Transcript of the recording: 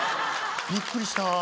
びっくりした。